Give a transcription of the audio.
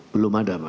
belum ada pak